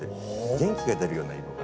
元気が出るような色が。